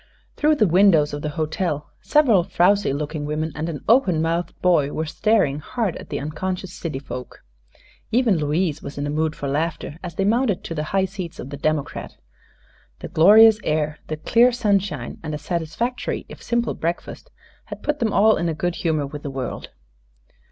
Through the windows of the hotel several frowsy looking women and an open mouthed boy were staring hard at the unconscious city folk. Even Louise was in a mood for laughter as they mounted to the high seats of the democrat. The glorious air, the clear sunshine and a satisfactory if simple breakfast had put them all in a good humor with the world.